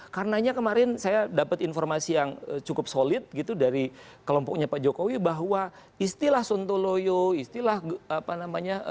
karena kemarin saya dapat informasi yang cukup solid dari kelompoknya pak jokowi bahwa istilah suntuloyo istilah apa namanya